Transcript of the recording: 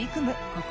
ここ